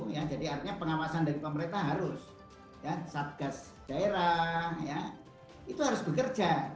yang jadi artinya pengawasan dari pemerintah harus dan satgas jairah ya itu harus bekerja